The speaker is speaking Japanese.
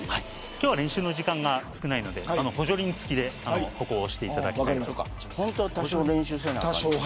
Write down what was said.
今日は練習の時間が少ないので補助輪付きで歩行していただきたいと思います。